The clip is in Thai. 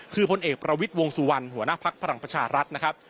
คือพลเอกประวิทย์วงสุวรรณหัวหน้าภักดิ์พลังประชารัฐนะครับ